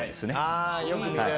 ああよく見る。